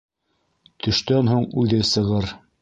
Төштән һуң үҙе сығыр.